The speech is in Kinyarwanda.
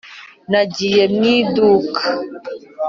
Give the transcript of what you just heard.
nagiye mu iduka.